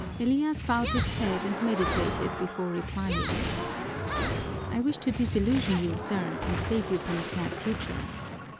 Elias bowed his head and meditated before replying. "I wish to disillusion you, sir, and save you from a sad future.